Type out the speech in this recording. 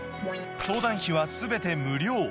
相談費はすべて無料。